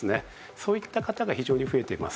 そういった方が非常に増えています。